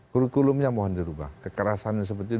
kurukulumnya mohon dirubah kekerasan yang seperti itu